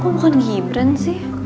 kok bukan gibran sih